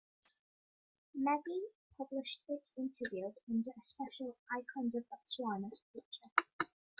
Mmegi published its interview under a special "Icons of Botswana" feature.